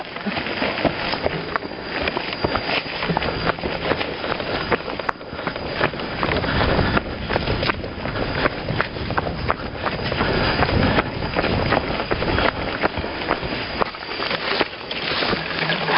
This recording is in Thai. ลดละ